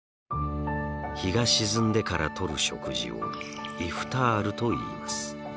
日が沈んでからとる食事をイフタールといいます。